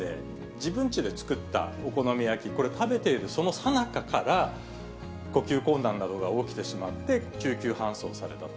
自分ちで作ったお好み焼き、これ、食べているそのさなかから、呼吸困難などが起きてしまって、救急搬送されたと。